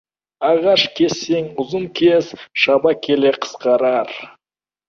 Ағаш кессең, ұзын кес — шаба келе қысқарар.